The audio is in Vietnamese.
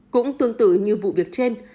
cũng tương tự như vụ việc trên